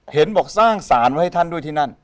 เห็นบอกสร้างสารไว้ให้ท่านด้วยที่นั่น